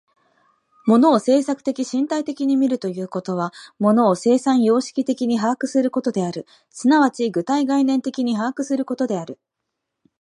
物を制作的身体的に見るということは、物を生産様式的に把握することである、即ち具体概念的に把握することである。